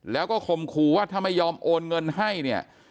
แล้วก็ข่มขู่ว่าถ้าไม่ยอมโอนเงินให้เนี่ย